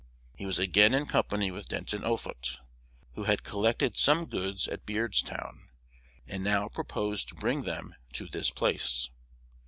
He was again in company with Denton Offutt, who had collected some goods at Beardstown, and now proposed to bring them to this place.